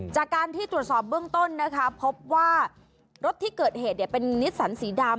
จากการที่ตรวจสอบเบื้องต้นนะคะพบว่ารถที่เกิดเหตุเป็นนิสสันสีดำ